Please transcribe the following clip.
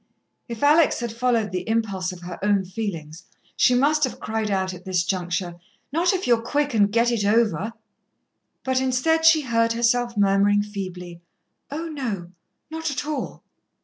If Alex had followed the impulse of her own feelings, she must have cried out at this juncture: "Not if you're quick and get it over!" But instead, she heard herself murmuring feebly: "Oh, no, not at all."